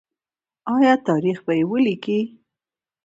آیا تاریخ به یې ولیکي؟